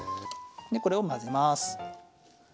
でこれを混ぜます。